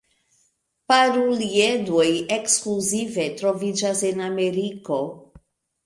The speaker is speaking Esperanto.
Paruliedoj ekskluzive troviĝas en Ameriko.